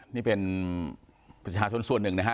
นี่เป็นประชาชนส่วนหนึ่งนะฮะ